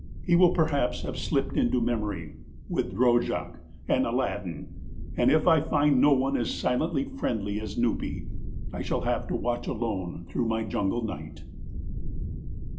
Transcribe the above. He will perhaps have slipped into memory, with Drojak and Aladdin. And if I find no one as silently friendly as Nupee, I shall have to watch alone through my jungle night.